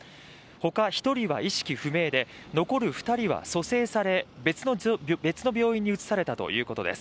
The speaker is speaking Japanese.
ほか１人は意識不明の状態で残る２人は蘇生され、別の病院に移されたということです。